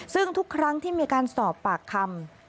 ซึ่งทุกครั้งที่มีการสอบปากคำ